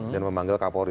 dan memanggil kapolri